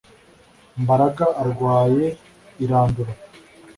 mbaraga arwaye irandura,